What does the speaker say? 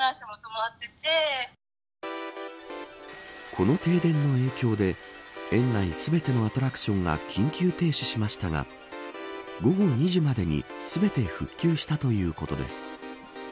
この停電の影響で園内全てのアトラクションが緊急停止しましたが午後２時までに全て復旧したということです。